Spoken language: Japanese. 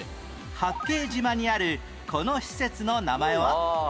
八景島にあるこの施設の名前は？